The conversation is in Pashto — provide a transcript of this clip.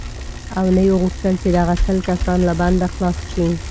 او نه یې غوښتل چې دغه سل کسان له بنده خلاص شي.